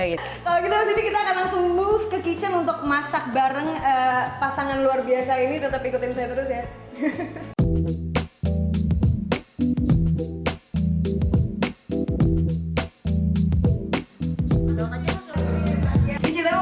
kita langsung move ke kitchen untuk masak bareng pasangan luar biasa ini tetep ikutin saya terus ya